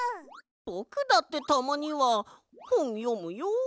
ぼくだってたまにはほんよむよ。